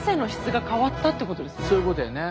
そういうことやね。